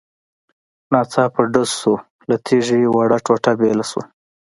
. ناڅاپه ډز شو، له تيږې وړه ټوټه بېله شوه.